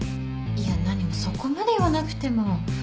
いや何もそこまで言わなくても。